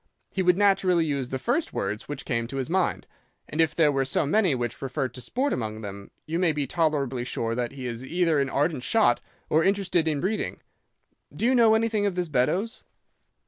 He would naturally use the first words which came to his mind, and if there were so many which referred to sport among them, you may be tolerably sure that he is either an ardent shot or interested in breeding. Do you know anything of this Beddoes?